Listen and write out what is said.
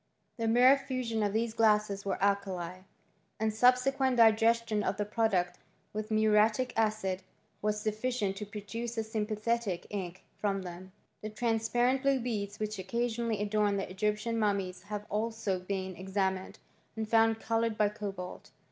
The mere fusion of these glasses with alkali, and subse > quent digestion of the product with muriatic acid, was sufficient to produce a sympathetic ink from them, f The transparent blue beads which occasionally adoriC the Egyptian mummies have also been examined, and found coloured by cobalt.